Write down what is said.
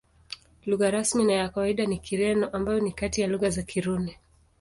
Lugha rasmi na ya kawaida ni Kireno, ambayo ni kati ya lugha za Kirumi.